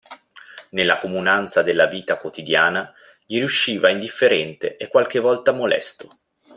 Nella comunanza della vita quotidiana, gli riusciva indifferente e qualche volta molesto.